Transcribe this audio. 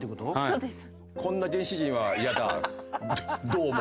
そうです。